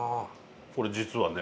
これ実はね